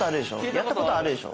やったことあるでしょ？